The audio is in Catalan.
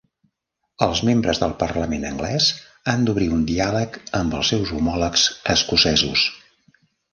Els membres del Parlament anglès han d'obrir un diàleg amb els seus homòlegs escocesos.